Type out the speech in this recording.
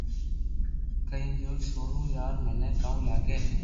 ڪرين جن سوڙاو يار مني ڪاو لاگي